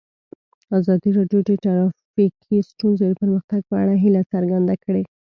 ازادي راډیو د ټرافیکي ستونزې د پرمختګ په اړه هیله څرګنده کړې.